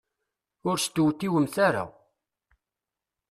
Ur stewtiwemt ara.